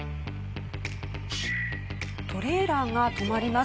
トレーラーが止まります。